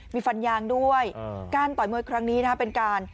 มีฟันยางด้วยการต่อยมวยครั้งนี้นะครับเป็นการ